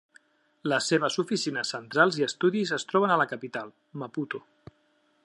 Les seves oficines centrals i estudis es troben a la capital, Maputo.